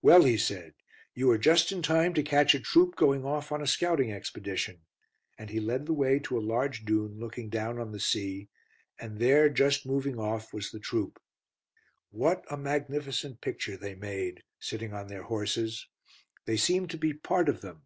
"Well," he said, "you are just in time to catch a troop going off on a scouting expedition," and he led the way to a large dune looking down on the sea, and there just moving off was the troop. What a magnificent picture they made, sitting on their horses. They seemed to be part of them.